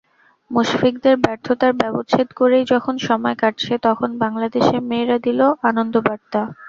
মুশফিকদের ব্যর্থতার ব্যবচ্ছেদ করেই যখন সময় কাটছে, তখন বাংলাদেশের মেয়েরা দিল আনন্দবার্তা।